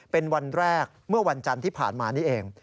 เป็นวันแรกเมื่อวันจันทร์ที่ผ่านมานี่เอง